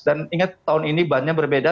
dan inget tahun ini bannya berbeda